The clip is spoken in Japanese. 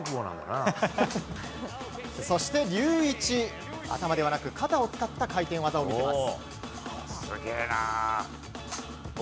そして、ＲＹＵＩＣＨＩ頭ではなく肩を使った回転技を見せます。